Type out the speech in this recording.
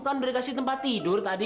kamu kan udah kasih tempat tidur tadi